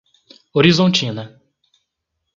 Horizontina